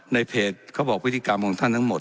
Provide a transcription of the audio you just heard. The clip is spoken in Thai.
ในเพจเขาบอกพฤติกรรมของท่านทั้งหมด